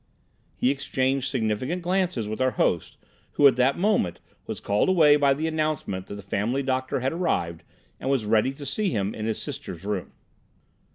He exchanged significant glances with our host, who, at that moment, was called away by the announcement that the family doctor had arrived, and was ready to see him in his sister's room.